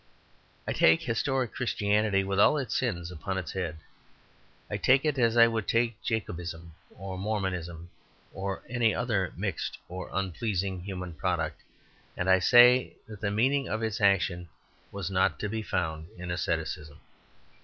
I take historic Christianity with all its sins upon its head; I take it, as I would take Jacobinism, or Mormonism, or any other mixed or unpleasing human product, and I say that the meaning of its action was not to be found in asceticism.